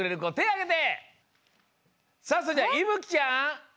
さあそれじゃあいぶきちゃん。